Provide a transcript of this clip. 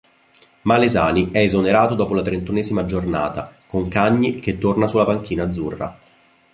Malesani è esonerato dopo la trentunesima giornata, con Cagni che torna sulla panchina azzurra.